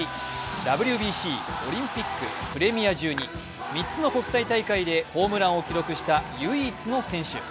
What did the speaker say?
ＷＢＣ、オリンピック、プレミア１２、３つの国際大会でホームランを記録した唯一の選手。